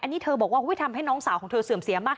อันนี้เธอบอกว่าทำให้น้องสาวของเธอเสื่อมเสียมาก